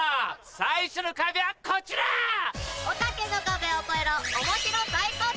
最初の壁はこちら！